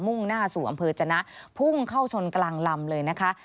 มุ่งหน้าสู่อจพุ่งเข้าชนกลางลำเลยนะคะ